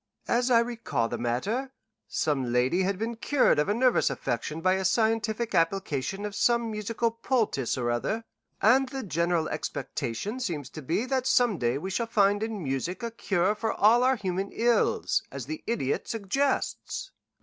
"As I recall the matter, some lady had been cured of a nervous affection by a scientific application of some musical poultice or other, and the general expectation seems to be that some day we shall find in music a cure for all our human ills, as the Idiot suggests."